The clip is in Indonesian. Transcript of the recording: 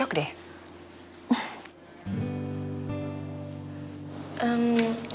ya lucu sih tante ya